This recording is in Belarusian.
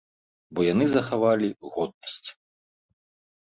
Бо яны захавалі годнасць.